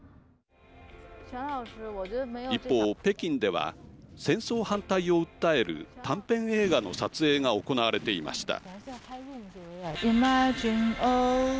一方、北京では戦争反対を訴える短編映画の撮影が行われていました。